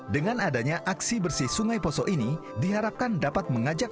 dengan adanya aksi bersih sungai poso ini diharapkan dapat mengajak